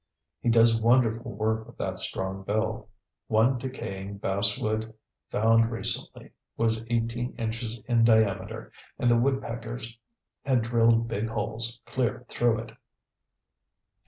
He does wonderful work with that strong bill. One decaying basswood found recently was eighteen inches in diameter and the woodpeckers had drilled big holes clear through it.